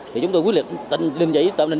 thì chúng ta quyết liệt tình liên giấy